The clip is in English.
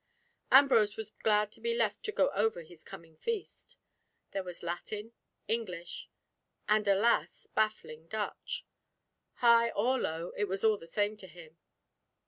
Ambrose was glad to be left to go over his coming feast. There was Latin, English, and, alas! baffling Dutch. High or Low it was all the same to him.